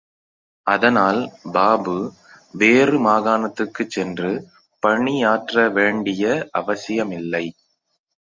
அதனால் பாபு வேறு மாகாணத்துக்குச் சென்று பணியாற்ற வேண்டிய அவசியமில்லை.